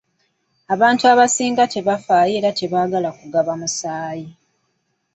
Abantu abasinga tebafaayo era tebaagala kugaba musaayi.